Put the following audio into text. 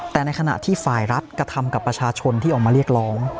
แต่ในขณะที่ฝ่ายรัฐกระทำกับประชาชนที่ออกมาเรียกร้อง